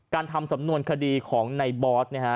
ทำสำนวนคดีของในบอสนะฮะ